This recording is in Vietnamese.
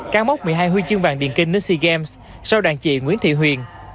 cán mốc một mươi hai huy chương vàng điền kinh đến sea games sau đàn chị nguyễn thị huyền